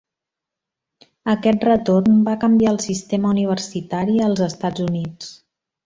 Aquest retorn va canviar el sistema universitari als Estats Units.